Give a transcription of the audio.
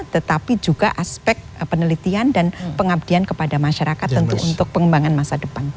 tetapi juga aspek penelitian dan pengabdian kepada masyarakat tentu untuk pengembangan masa depan